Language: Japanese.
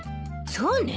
そうね。